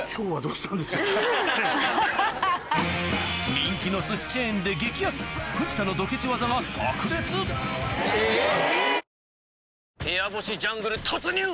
人気の寿司チェーンで激安藤田のドケチ技がさく裂えぇ。